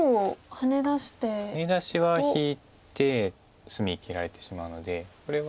ハネ出しは引いて隅切られてしまうのでこれは。